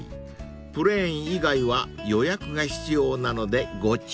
［プレーン以外は予約が必要なのでご注意を］